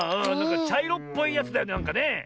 ちゃいろっぽいやつだよねなんかね。